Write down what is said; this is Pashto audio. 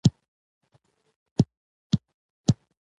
موریانو دلته لنډه واکمني درلوده